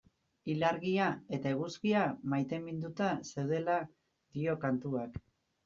Ilargia eta eguzkia maiteminduta zeudela dio kantuak.